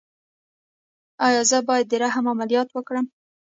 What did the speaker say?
ایا زه باید د رحم عملیات وکړم؟